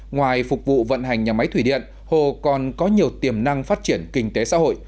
ngoài phục vụ vận hành nhà máy thủy điện hồ còn có nhiều tiềm năng phát triển kinh tế xã hội